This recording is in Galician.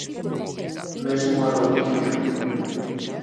Mesmo aloumiña.